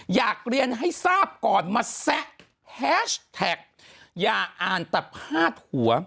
อยากเรียนให้ทราบก่อนมาแซะแฮชแท็กอย่าอ่านแต่พาดหัว